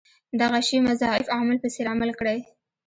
دغه شي مضاعف عامل په څېر عمل کړی.